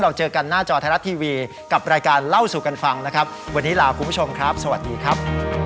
เจอกันหน้าจอไทยรัฐทีวีกับรายการเล่าสู่กันฟังนะครับวันนี้ลาคุณผู้ชมครับสวัสดีครับ